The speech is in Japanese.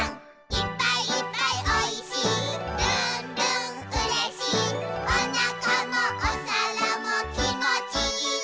「いっぱいいっぱいおいしいるんるんうれしい」「おなかもおさらもきもちいい」